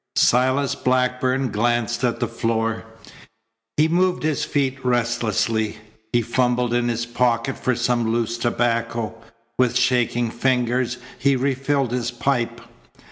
Silas Blackburn glanced at the floor. He moved his feet restlessly. He fumbled in his pocket for some loose tobacco. With shaking fingers he refilled his pipe.